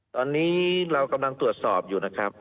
ตอนนี้เรากำลังตรวจสอบอยู่นะครับ